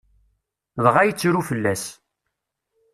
Dɣa yettru fell-as.